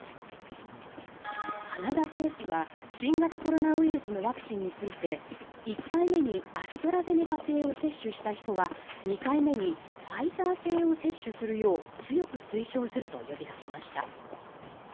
カナダ政府は新型コロナウイルスワクチンについて１回目にアストラゼネカ製を接種した人は２回目にファイザー製を接種するよう強く推奨すると呼びかけました。